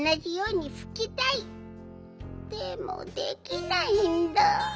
でもできないんだ。